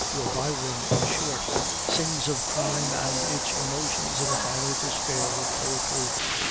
Your Byron, in short, sings of crime and its emotions in a final despair of poetry."